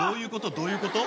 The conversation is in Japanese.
どういうこと？